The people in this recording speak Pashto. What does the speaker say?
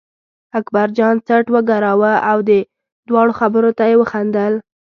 اکبرجان څټ و ګراوه او د دواړو خبرو ته یې وخندل.